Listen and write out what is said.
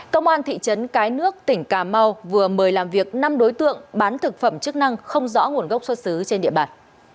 công an thị trấn cái nước tỉnh cà mau vừa mời làm việc năm đối tượng bán thực phẩm chức năng không rõ nguồn gốc xuất xứ trên địa bàn